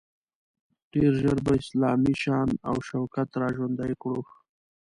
ډیر ژر به اسلامي شان او شوکت را ژوندی کړو.